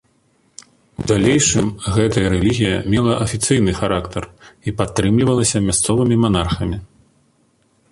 У далейшым гэтая рэлігія мела афіцыйны характар і падтрымлівалася мясцовымі манархамі.